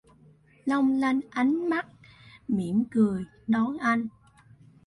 Long lanh ánh mắt mỉm cười...đón anh.